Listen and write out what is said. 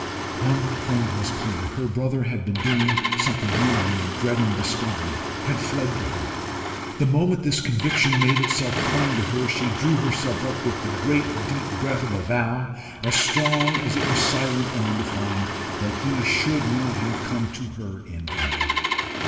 One thing was clear her brother had been doing something wrong, and dreading discovery, had fled to her. The moment this conviction made itself plain to her, she drew herself up with the great deep breath of a vow, as strong as it was silent and undefined, that he should not have come to her in vain.